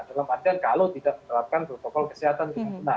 dalam artian kalau tidak menerapkan protokol kesehatan